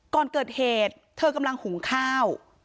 ก่อนเกิดเหตุเธอกำลังหุงข้าว